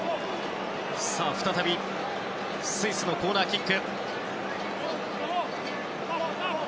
再びスイスのコーナーキック。